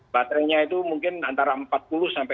baterainya itu mungkin antara empat puluh sampai enam puluh